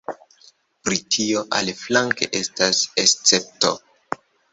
Britio, aliflanke, estas escepto.